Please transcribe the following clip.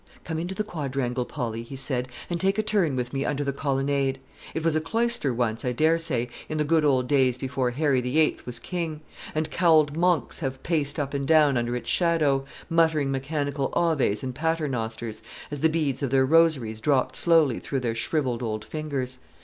"Come into the quadrangle, Polly," he said, "and take a turn with me under the colonnade. It was a cloister once, I dare say, in the good old days before Harry the Eighth was king; and cowled monks have paced up and down under its shadow, muttering mechanical aves and paternosters, as the beads of their rosaries dropped slowly through their shrivelled old fingers.